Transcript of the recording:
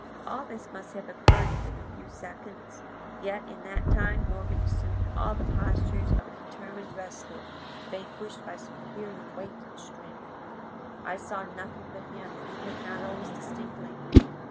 "All this must have occurred within a few seconds, yet in that time Morgan assumed all the postures of a determined wrestler vanquished by superior weight and strength. I saw nothing but him, and him not always distinctly.